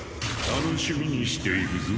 楽しみにしているぞ。